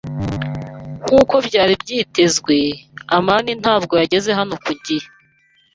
Nkuko byari byitezwe, amani ntabwo yageze hano ku gihe.